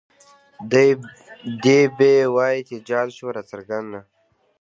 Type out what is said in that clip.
دے به وائي تجال شوه راڅرګنده